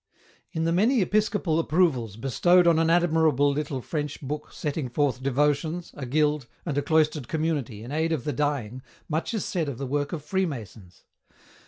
In the many episcopal approvals bestowed on an admir able little French book setting forth devotions, a guild, and a cloistered community, in aid of the dying, much is said of the work of Freemasons.